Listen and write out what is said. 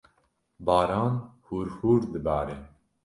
Baran hûrhûr dibare.